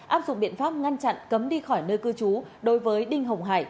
áp dụng biện pháp ngăn chặn cấm đi khỏi nơi cư trú đối với đinh hồng hải